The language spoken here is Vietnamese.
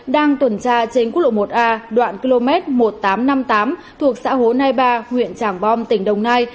đang tuần tra trên quốc lộ một a đoạn km một nghìn tám trăm năm mươi tám thuộc xã hồ nai ba huyện trảng bom tỉnh đồng nai